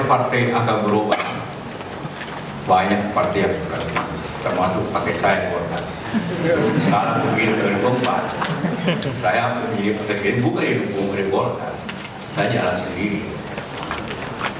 apakah partai partai agama ini bergabung dengan pemerintahan sbyjk